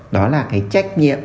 đó là cái trách nhiệm